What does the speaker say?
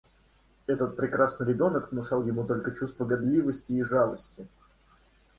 Этот прекрасный ребенок внушал ему только чувство гадливости и жалости.